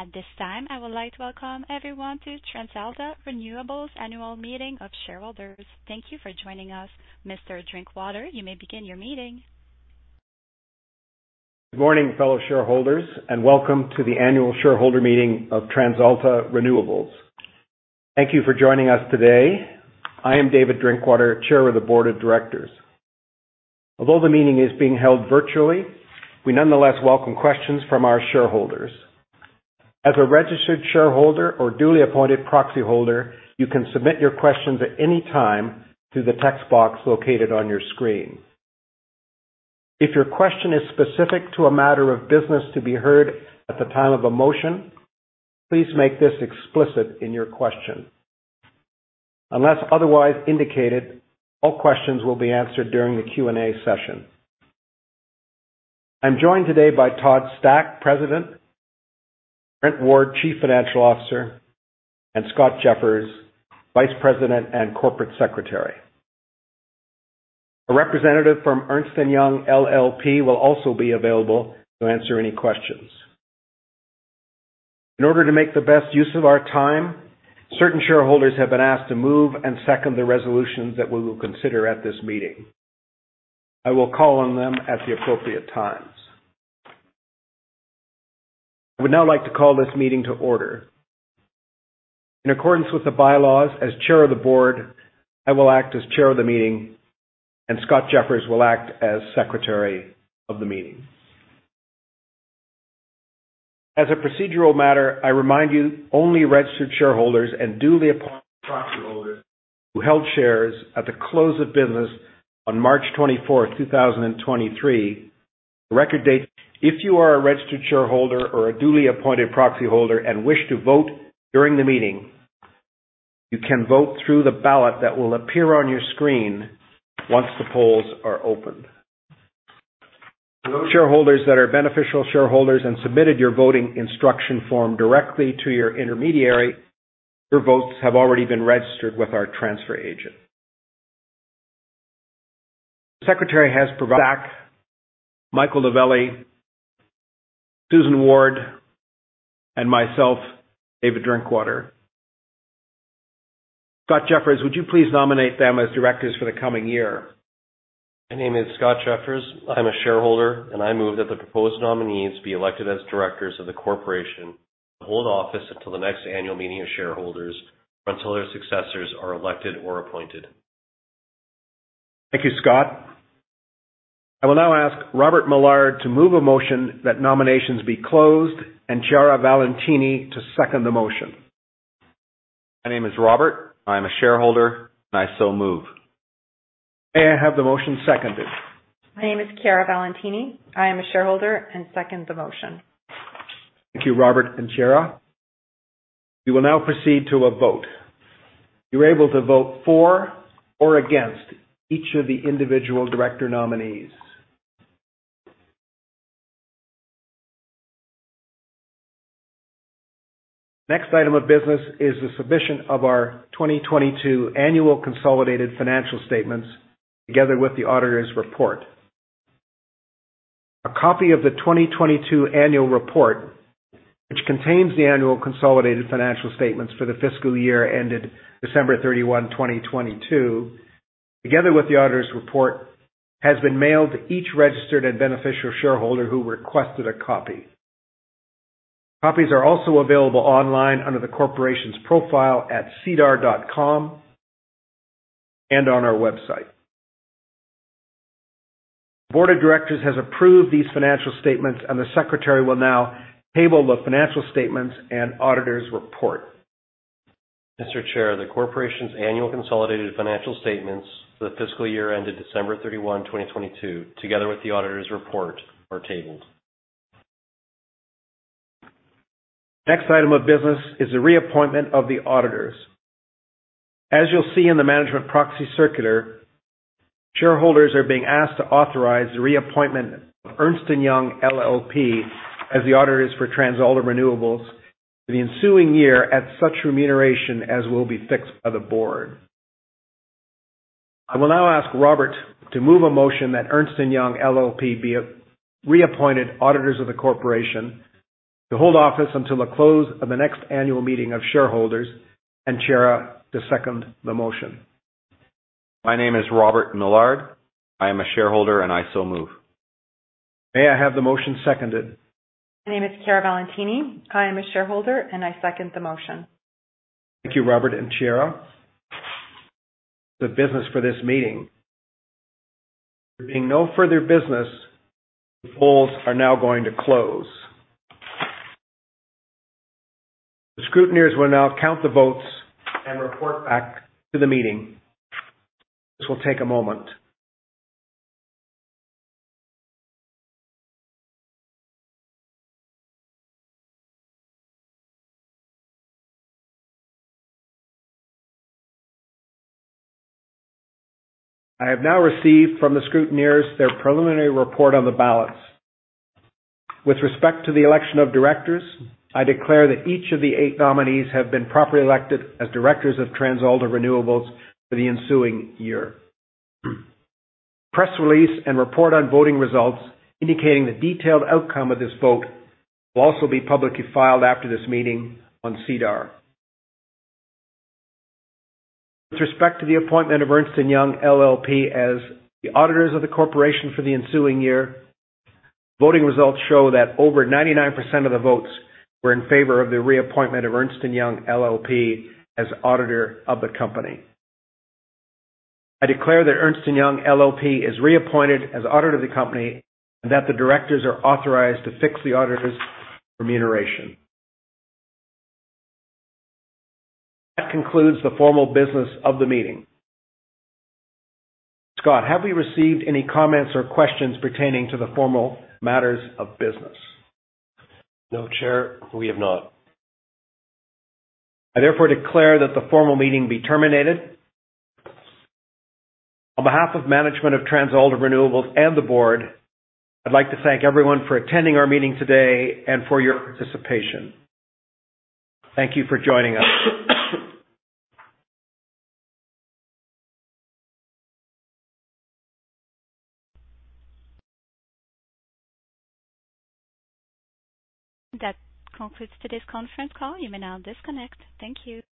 At this time, I would like to welcome everyone to TransAlta Renewables' Annual Meeting of Shareholders. Thank you for joining us. Mr. Drinkwater, you may begin your meeting. Good morning, fellow shareholders, and welcome to the annual shareholder meeting of TransAlta Renewables. Thank you for joining us today. I am David Drinkwater, Chair of the Board of Directors. Although the meeting is being held virtually, we nonetheless welcome questions from our shareholders. As a registered shareholder or duly appointed proxyholder, you can submit your questions at any time through the text box located on your screen. If your question is specific to a matter of business to be heard at the time of a motion, please make this explicit in your question. Unless otherwise indicated, all questions will be answered during the Q&A session. I'm joined today by Todd Stack, President, Brent Ward, Chief Financial Officer, and Scott Jeffers, Vice President and Corporate Secretary. A representative from Ernst & Young LLP will also be available to answer any questions. In order to make the best use of our time, certain shareholders have been asked to move and second the resolutions that we will consider at this meeting. I will call on them at the appropriate times. I would now like to call this meeting to order. In accordance with the bylaws, as chair of the board, I will act as chair of the meeting, and Scott Jeffers will act as secretary of the meeting. As a procedural matter, I remind you only registered shareholders and duly appointed proxyholders who held shares at the close of business on March 24th, 2023, the record date. If you are a registered shareholder or a duly appointed proxyholder and wish to vote during the meeting, you can vote through the ballot that will appear on your screen once the polls are open. For those shareholders that are beneficial shareholders and submitted your voting instruction form directly to your intermediary, your votes have already been registered with our transfer agent. The secretary has [Provack], Michael Novelli, Susan Ward, and myself, David Drinkwater. Scott Jeffers, would you please nominate them as directors for the coming year? My name is Scott Jeffers. I'm a shareholder, and I move that the proposed nominees be elected as directors of the corporation to hold office until the next annual meeting of shareholders, until their successors are elected or appointed. Thank you, Scott. I will now ask Robert Millard to move a motion that nominations be closed and Chiara Valentini to second the motion. My name is Robert. I am a shareholder, and I so move. May I have the motion seconded? My name is Chiara Valentini. I am a shareholder and second the motion. Thank you, Robert and Chiara. We will now proceed to a vote. You're able to vote for or against each of the individual director nominees. Next item of business is the submission of our 2022 annual consolidated financial statements, together with the auditor's report. A copy of the 2022 annual report, which contains the annual consolidated financial statements for the fiscal year ended December 31, 2022, together with the auditor's report, has been mailed to each registered and beneficial shareholder who requested a copy. Copies are also available online under the corporation's profile at SEDAR and on our website. The board of directors has approved these financial statements. The secretary will now table the financial statements and auditor's report. Mr. Chair, the corporation's annual consolidated financial statements for the fiscal year ended December 31, 2022, together with the auditor's report, are tabled. Next item of business is the reappointment of the auditors. As you'll see in the management proxy circular, shareholders are being asked to authorize the reappointment of Ernst & Young LLP as the auditors for TransAlta Renewables for the ensuing year at such remuneration as will be fixed by the board. I will now ask Robert to move a motion that Ernst & Young LLP be reappointed auditors of the corporation to hold office until the close of the next annual meeting of shareholders, and Chiara to second the motion. My name is Robert Millard. I am a shareholder. I so move. May I have the motion seconded? My name is Chiara Valentini. I am a shareholder. I second the motion. Thank you, Robert and Chiara. The business for this meeting. There being no further business, the polls are now going to close. The scrutineers will now count the votes and report back to the meeting. This will take a moment. I have now received from the scrutineers their preliminary report on the ballots. With respect to the election of directors, I declare that each of the 8 nominees have been properly elected as directors of TransAlta Renewables for the ensuing year. Press release and report on voting results indicating the detailed outcome of this vote will also be publicly filed after this meeting on SEDAR. With respect to the appointment of Ernst & Young LLP as the auditors of the corporation for the ensuing year, voting results show that over 99% of the votes were in favor of the reappointment of Ernst & Young LLP as auditor of the company. I declare that Ernst & Young LLP is reappointed as auditor of the company and that the directors are authorized to fix the auditor's remuneration. That concludes the formal business of the meeting. Scott, have we received any comments or questions pertaining to the formal matters of business? No, Chair, we have not. I therefore declare that the formal meeting be terminated. On behalf of management of TransAlta Renewables and the Board, I'd like to thank everyone for attending our meeting today and for your participation. Thank you for joining us. That concludes today's conference call. You may now disconnect. Thank you.